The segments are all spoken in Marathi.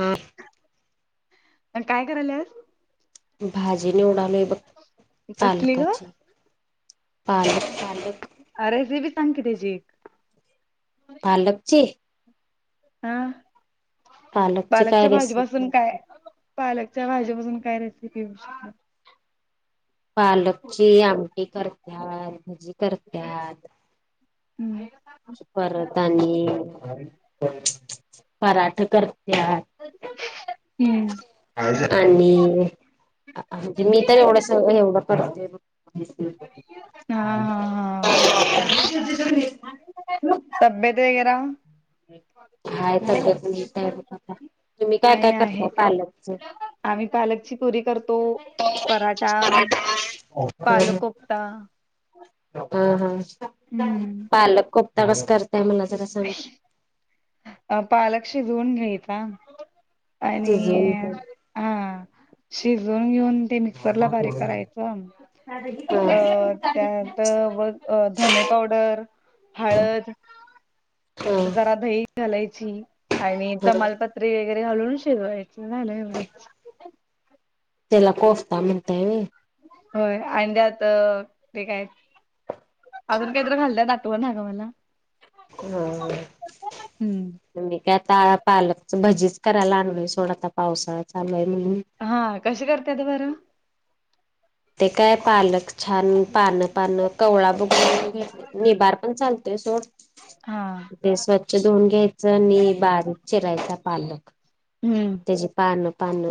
हा काय करायला आज? भाजी निवडालोय बघ, तसली ग पालकाची पालक पालक. अरे ही बी सांग की कितीची? पालकचे हा पालकची काय पालकच्या रेसिपी भाजीपासून होती? काय पालकच्या भाज्यापासून काय रेसिपी येऊ शकत? पालकची आमटी करत्यात भजी करत्यात हम्म परत आणि पराठे करत्यात हम्म आणि मी तर एवढंच च बाई एवढं पण झालंय बघ हा हा हा [unintelligible] तब्येत वगैरा हाय [unintelligible] तुम्ही काय आहे काय आहे करताय पालकच आम्ही पालकची पुरी करतो पराठा, हा पालकोफ्ता हा हा पालक कोप्ता कस करताय मला जरा सांग? अ पालक शिजवुन घ्यायचा. आणि शिजवून हा शिजून घेऊन ते मिक्सर ला बारीक करायचं हं अ त्यात बघ धने पावडर हळद जरा दही घालायची आणि तमालपत्रीे वगैरे घालून शिजवायची. झालं ना एवढच तेला कोसता म्हंतये होय आणि त्यात ते काय? अजून काहीतरी खाल्लेलं आठवत आहे नव ना हो.. हम्म मी काय आता पालकच भजीच करायला आणलोय सोड आता पावसाळा चालू आहे म्हणून. हा कशी करतेयता बरं ते काय पालक छान पानं पानं कवळा बघ निबार पण चालतोय सोड. हा ते स्वच्छ धुऊन घ्यायचं आणि बारीक चिरायचा पालक हम्म त्याची पान पान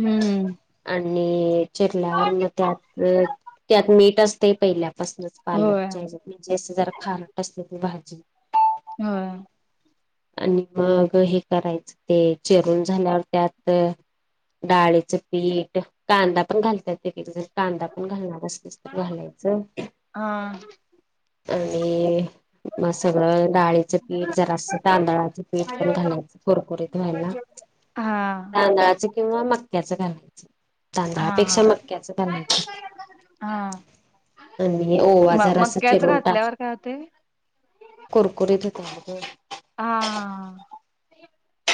हम्म हम् आणि चिरल्यावर मग त्यात त्यात मीठ असते पहिला तसलच होय पालक म्हणजे अस जरा खारट असते ती भाजी होय. आणि मग हे करायचं ते चिरून झाल्यावर त्यात डाळीचं पीठ कांदा पण घालतात एक एक जण कांदा पण घालणार असलीस तर घालायचं हा आणि म सगळं डाळीचं पीठ जरा अस तांदळाचे पीठ पण घालायचं कुरकुरीत व्हायला हा तांदळाच किंवा मक्क्याचं घालायचं. हा हा तांदळापेक्षा मक्याचं घालायचं. हा आणि ओवा म जरा अस मक्याच चिरून टाक घातल्यावर काय होतंय कुरकुरीत होेत हा हा हां..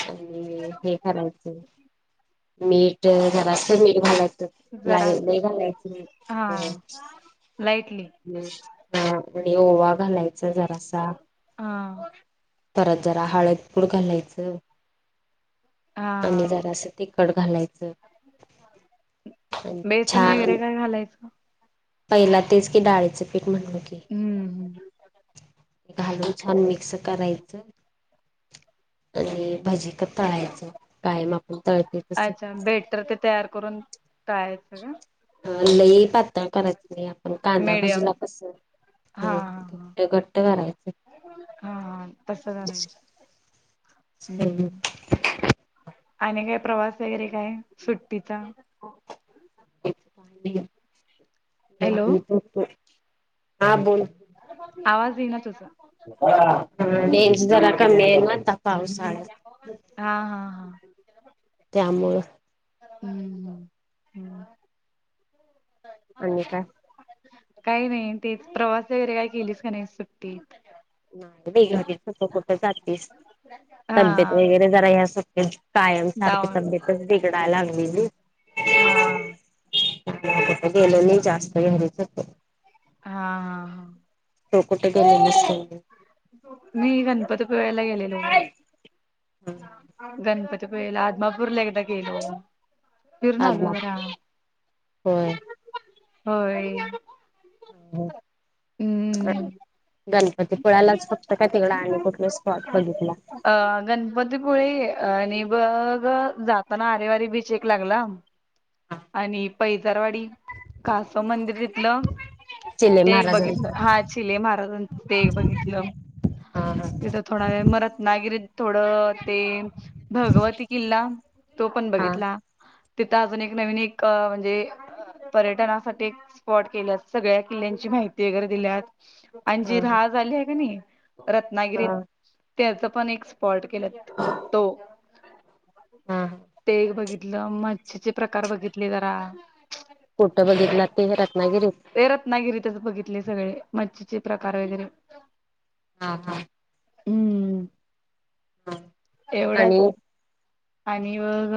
आणि हे घालायचं मीठ जरा असं मीठ घालायच जरासं लई घालायच हा नाही लाईटली हा आणि ओवा घालायचा जरासा हां परत जरा हळद पूड घालायचं आणि् जरा हा असं तिखट घालायचं. आणि बेसन छान वगैरे काय घालायचं? पहिला तेच क की डाळीच म्हणल की हम्म घालून छान मिक्स करायचं आणि भजी क तळायचं कायम आपण तळतोय कसं अच्छा बेटर ते तयार करून तळायचं का? अ लई पातळ करायच नाही आपण कांदा मीडियम. भजीला कसं हा घट्ट घट्ट करायच हा हा तसं करायचं हम् हम्म. आणि काय प्रवास वगैरे काय सुट्टीचा? हॅलो [unintelligible] हा बोल आवाज येई ना तुझ रेंज जरा कमी आहे ना पावसाळ्यात हा हा हा.. त्यामुळं हम्म हम् हम्म आणि काय काही नाही ते प्रवास वगैरे काय केलीच का नाही सुट्टीत नाही बाई घरी कुठ जातीस तब्येत हा. वगैरे जरा ह स कायम सारखी डाऊन तब्येतच बिघडायला लागलेली हा.. कुठं गेलो नाही जास्त घरीच होतो. हा हा हा.. तु कुठं गेलेलीस तेवढं. मी गणपतीपुळेयाला गेलेलो बघ नाही गणपतीपुळे ला आदमापूरला एकदा गेलो. फिरून आलो जरा आदमापूर होय होय हम्म गण ग ते पुळयालाच फक्त काय तिकड आणि कुठले स्पॉट बघितला. अ गणपतीपुळे आणि बघ जाताना आरे वारे बीच एक लागला आणि पैजारवाडी. कासव मंदिर तिथलं चिले ते एक बघितलं महाराजांचं हा चिले महाराजांच ते एक बघितलं हा तिथं थोडा वेळ मरत नागिरीत थोडं तेन. भगवती किल्ला तो पण हा बघितला तिथं अजून एक नवीन एक म्हणजे पर्यटनासाठी स्पॉट केल्यात, सगळ्या किल्ल्यांची माहिती वगैरे दिल्यात. आणि जी हा राहा झाली आहे का नाही रत्नागिरीत हा त्याचं पण एक पॉल्ट केल्यात तो हा ते एक बघित लं मच्छीचे प्रकार बघितले जरा कोटं बघितला ते रत्नागिरीत? ते रत्नागिरीतच बघितले सगळे मच्छीचे प्रकार वगैरे. हा हा हम्म. हा. एवढा आणि आणि मग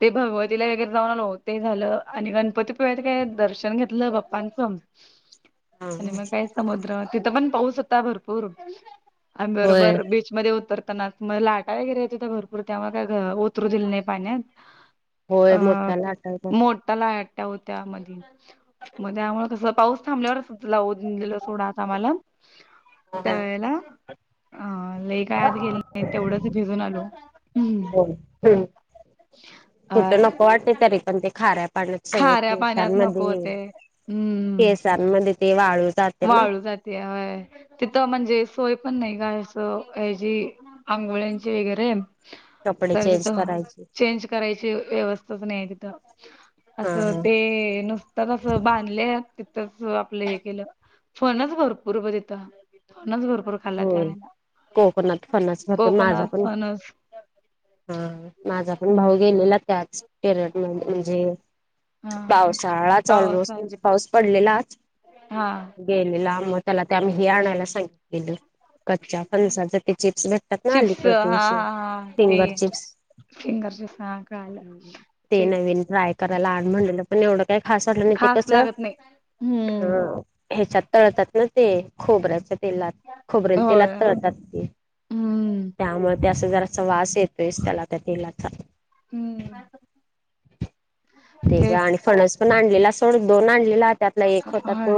ते भगवतीला वगैरे जाऊन आलो. ते झालं आणि गणपतीपुळ्यात काय दर्शन घेतलं बाप्पांचं. [inaudible] आणि मग काय समुद्र तिथं, पण पाऊस होता. भरपूर आणि होय बरोबर बीच, मध्ये उतरताना लाटा वगैरे येत होते, भरपूर त्यामुळं काय उतरू दिली नाही पाण्यात. अ होय मोठ्या लाटायचा मोटा लाट्या होत्या मधी मग त्यामुळे कस पाऊस थांबल्यावरच लावून दिलं सोड आत आम्हाला त्या वेळेला. हा लई काय आत गेले नाही तेवढंच भिजून आलो हम. होय कुठं नको वाटते तरी पण ते खाऱ्या पाण्यात. सगळे खाऱ्या पाण्यात नको केसांमध्ये होते हम्म केसांमध्ये ते वाळू जाते ना वाळू जातेया होय. तिथं म्हणजे सोय पण नाही का अस ह्याची आंघोळ्यांची वगैरे. कपडे तर चेंज तिथं करायचे चेंज करायची, व्यवस्थाच नाही ये तिथं. हा असं हा ते नुसतच असं बांधले, तिथंच आपलं हे केलं. फणस भरपूर बघ तिथं फणस भरपूर खाल्ला होय, त्यावेळेला कोकणात फणस, भरपूर माझा कोकणात पण. फणस हा माझा पण भाऊ गेलेला त्याच पिरियड मधे म्हणजे हा पावसाळाच ऑलमोस्ट पावसात म्हणजे पाऊस पडलेलाच हा. गेलेलं आमू त्याला ते हे आणायला सांगितलेल, कच्च्या फणसाचे ते चिप्स भेटत. त्यातन चिप्स हा अलीकडचे फिंगर चिप्स फिंगरचे सां काय. ते नवीन ट्राय करायला आण, म्हणलेलं पण एवढं. काय खास वाटलं नाही, ते खास कस लागत नाही. ह. हम्म हेच्यात तळतात ना, ते खोबऱ्याच्या तेलात. खोबरेल तेलात होय तळतात ते, हम्म त्यामुळे ते असं जराचा वास येतोयस, त्याला त्या तेलाचा. हम्म. ते ज्या तेच आणि फणस पण आणलेला सोड दोन आणलेला त्यातला एक होता तो होय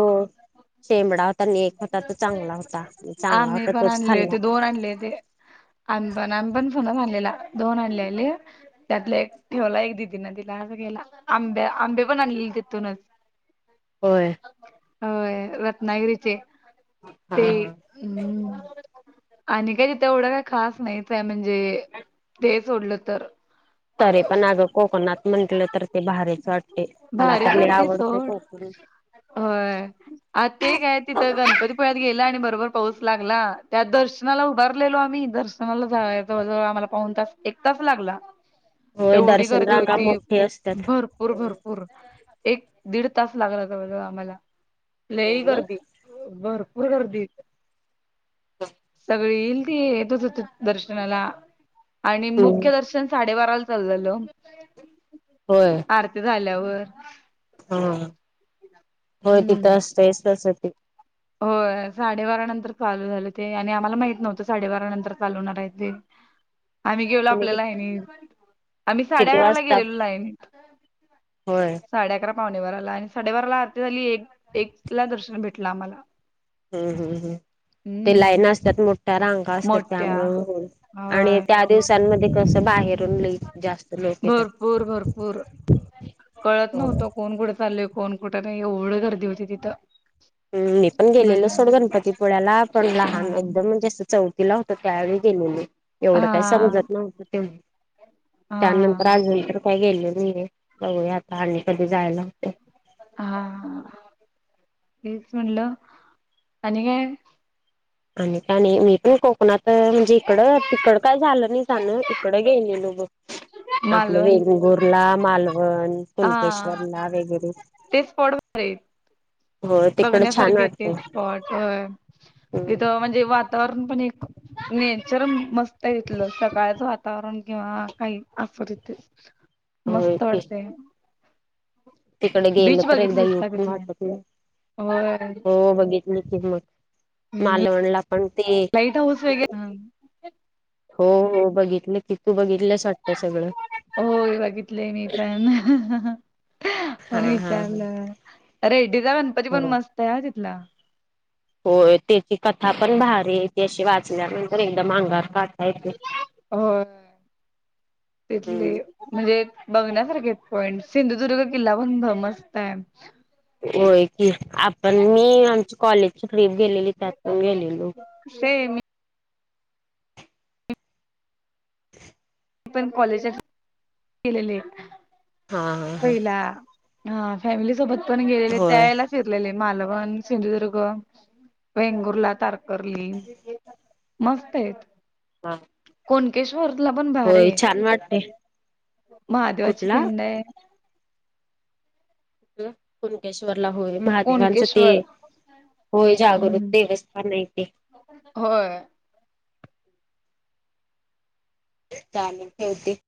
शेमडा होता आणि एक होता तो चांगला होता चांगला आम्ही होता पण तोच आणले खाल्ला. होते दोन आणले [unintelligible] दोन आडलेले. त्यातलं एक ठेवला एक दिदीना दिला असं केलं आंब्या आंबे पण आणले तिथूनच [inaudible] होय. होय रत्नागिरीचे. ते हा आणि का त तेवढं काय खास नाहीचय म्हणजे ते सोडलं तर त पण अग कोकणात म्हटलं तर ते भारीच वाटते मला भारीच तर म वाटतंय आवडते सोड कोकण होय. आ ते काय तिथं गणपतीपुळ्यात गेला आणि, बरोबर पाऊस लागला. त्यात दर्शनाला उभारलेलो आम्ही दर्श जवळ जवळ आम्हाला पाऊन तास एक तास लागला होय एवढी दर्शन गर्दी रांगा होती मोठी असतात भरपूर भरप होय होर एक दीड तास लागला तर आम्हाला लई ना गर्दी भरपूर गर्दी होती. [unintelligible] सगळी येईल ती येतच होते दर्शनाला आणि हम्म मुख्य दर्शन साडेबाराला चाललेलो. होय आरती झाल्यावर हा हा, होय देत असतयच तसं ते. हो साडेबारा नंतर चालू झालं ते आणि आम्हाला माहित नव्हतं साडेबारा नंतर चालू होणार आहे ते आम्ही गेलो तुम्ही कि आपल्याला आहे आणि आम्ही साडे किती अकराला वाजता गेलेलो लाईन होय साडे अकरा पावणे वारला आणि साडेबाराला आरती झाली एक एक ला दर्शन भेटलं आम्हाला. हम्म हम्म हम्म ते हम्म लाईन असतात मोठ्या रांगा असतात मोठ्या त्यामुळे हो अ, आणि त्या दिवसांमध्ये कसं बाहेर भरपूर भरपूर कळत नव्हतं कोण कुठे चाललय. कोन कुठं नाही एवढं गर्दी होती तिथं हम मी पण ब गेलेलो सोड गणपतीपुळ्याला पण हा लहान एकदम म्हणजे अस चौ तिला होत त्यावेळी गेलेले एवढं काही हा समजत नव्हतं तेव हा त्यानंतर अजून तर काय गेले नाहीये बघूया आता आणि कधी जायला होते हा हेच म्हणलं आणि काय? आणि त्याने मी पण कोकणात म्हणजे इकड तिकड काय झालं नाही जाण इकडं गेली न बघ. आपलं मालवण वेंगुर्ला मालवण हा कुणकेश्वरला वगैरे तेच स्पॉट भारी आहेत. होय तिकड छान बघण्यासारखे ते वाटतय स्पॉट हम्म तिथं म्हणजे वातावरण पण एक नेचर मस्त तथलं सकाळचं वातावरण किंवा काही असं तिथे होय मस्त की वाटतंय. तिकडे गेलं तर एकदा बघितलीस येऊ का पण वाट तिथल्या नाही होय हो बघित कि मग मालवणला पण ते लाईट हाऊस वगैरे ना हो हो बघितलं तिथू बघितलंस वाटतं सगळं? होय बघितलंय मी पण हा पण हा हा विचारलं रेड्डीचा गणपती पण हो मस्त आहे ह तिथला. होय त्याची कथा पण भारीयेत. अशी वाचल्यानंतर एकदम अंगार काता येत होय. तिथली हम्म म्हणजे बघण्यासारखे पॉईंट सिंधुदुर्ग किल्ला पण भमस्त आहे. होय की आपण मी आमची कॉलेजची ट्रीप गेलेली त्यातून गेलेलो शय मी पण कॉलेजात गेलेले, हा हा हा पहिला हा फॅमिली सोबत पण गेलेले त्या होय याळेला फिरलेले मालवण सिंधुदुर्ग वेंगुर्ला तारकरली मस्त आहेत हा कोणकेश्वरला पण भारी होय आहे छान वाटते महादेवाची कुठला पिंड आहे. कुणकेश्वरला होय. महादेवांचं ते कोणकेश्वर होय जागरूक हम्म देवस्थान आहे ते. होय. चालेल ठेवते.